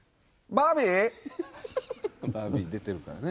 バービー出てるからね。